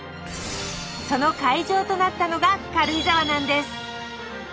その会場となったのが軽井沢なんです！